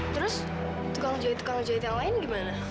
terus tukang jahit tukang jahit yang lain gimana